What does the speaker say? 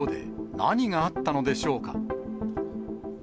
この別荘で何があったのでしょうか。